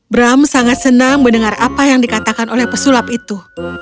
bram sangat senang mendengar apa yang dikatakan oleh pesulap itu